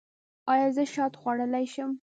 ایا زه شات خوړلی شم؟